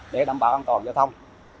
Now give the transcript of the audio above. để đảm bảo an toàn giao thông